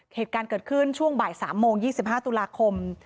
เหตุการณ์เกิดขึ้นช่วงบ่าย๓โมง๒๕ตุลาคม